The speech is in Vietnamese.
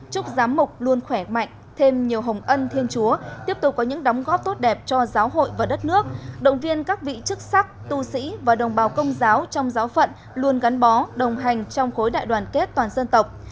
chúc giám mục luôn khỏe mạnh thêm nhiều hồng ân thiên chúa tiếp tục có những đóng góp tốt đẹp cho giáo hội và đất nước động viên các vị chức sắc tu sĩ và đồng bào công giáo trong giáo phận luôn gắn bó đồng hành trong khối đại đoàn kết toàn dân tộc